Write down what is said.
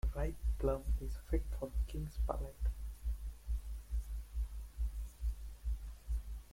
A ripe plum is fit for a king's palate.